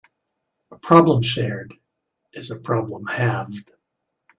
A problem shared is a problem halved.